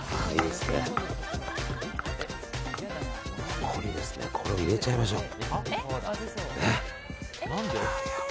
ここにですねこれを入れちゃいましょう。